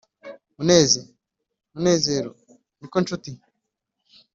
“muneze, munezero, ni ko nshuti!”